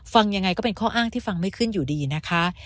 ฟังยังไงก็เป็นข้ออ้างที่ฟังไม่ขึ้นอยู่ดีนะคะ